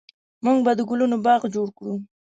موږ به د ګلونو باغ جوړ کړو